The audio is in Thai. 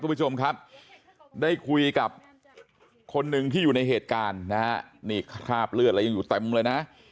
คุณผู้ชมครับได้คุยกับคนหนึ่งที่อยู่ในเหตุการณ์นะฮะนี่คราบเลือดอะไรยังอยู่เต็มเลยนะ